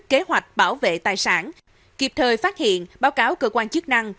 kế hoạch bảo vệ tài sản kịp thời phát hiện báo cáo cơ quan chức năng